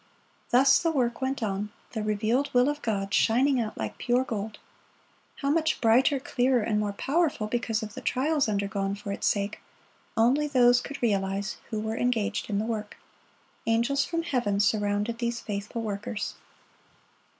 Thus the work went on, the revealed will of God shining out like pure gold; how much brighter, clearer, and more powerful because of the trials undergone for its sake, only those could realize who were engaged in the work. Angels from heaven surrounded these faithful workers.